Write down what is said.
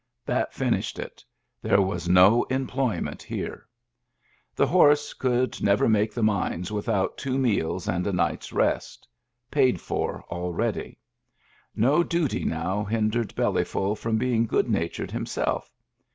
That finished it; there was no employment here. The horse could never make the mines without two meals and a night's rest — paid for already. No duty now hindered Bellyful from being good natured him self.